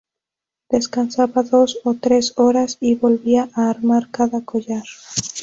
Descansaba dos o tres horas y volvía a armar cada collar.